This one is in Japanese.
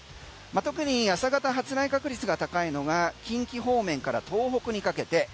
特に朝方、発雷確率が高いのが近畿方面から東北にかけて。